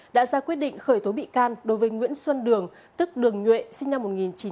đã ra quyết định khởi tố bị can đối với nguyễn xuân đường tức đường nhuệ sinh năm một nghìn chín trăm tám mươi